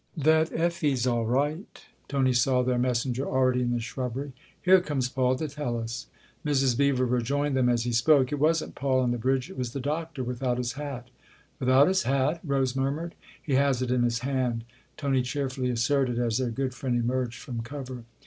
" That Effie's all right ?" Tony saw their mes senger already in the shrubbery. " Here comes Paul to tell us." Mrs. Beever rejoined them as he spoke. " It wasn't Paul on the bridge. It was the Doctor without his hat." " Without his hat ?" Rose murmured. " He has it in his hand," Tony cheerfully asserted as their good friend emerged from cover.